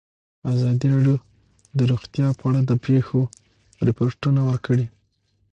ازادي راډیو د روغتیا په اړه د پېښو رپوټونه ورکړي.